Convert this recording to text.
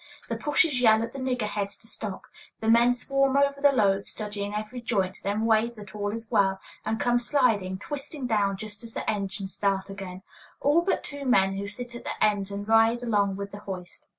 The "pushers" yell at the niggerheads to stop. The men swarm over the load, studying every joint, then wave that all is well, and come sliding, twisting down just as the engines start again, all but two men, who sit at the ends and ride along with the hoist.